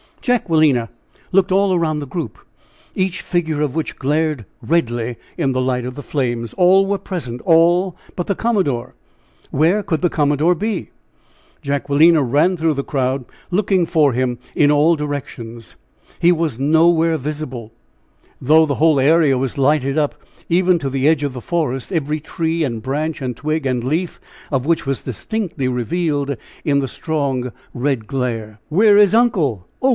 Jacquelina looked all around the group, each figure of which glared redly in the light of the flames. All were present all but the commodore! Where could the commodore be? Jacquelina ran through the crowd looking for him in all directions. He was nowhere visible, though the whole area was lighted up, even to the edge of the forest, every tree and branch and twig and leaf of which was distinctly revealed in the strong, red glare. "Where is uncle? Oh!